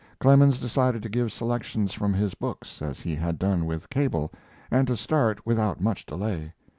Clemens decided to give selections from his books, as he had done with Cable, and to start without much delay.